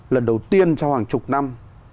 lần đầu tiên trong hàng chục năm